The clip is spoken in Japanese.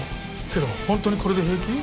けどホントにこれで平気？